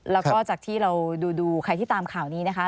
แล้วก็จากที่เราดูใครที่ตามข่าวนี้นะคะ